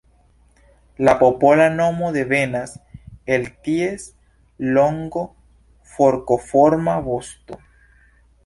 La popola nomo devenas el ties longo forkoforma vosto.